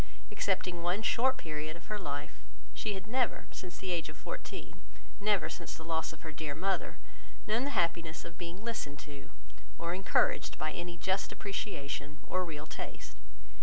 Excepting one short period of her life, she had never, since the age of fourteen, never since the loss of her dear mother, known the happiness of being listened to, or encouraged by any just appreciation or real taste.